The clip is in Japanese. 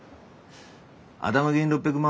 頭金６００万